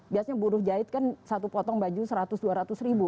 biasanya buruh jahit kan satu potong baju seratus dua ratus ribu